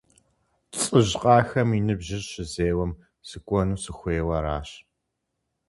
ЛӀыжь кхъахэм и ныбжьыр щызеуэм сыкӀуэну сыхуейуэ аращ.